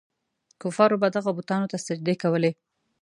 کفارو به دغو بتانو ته سجدې کولې.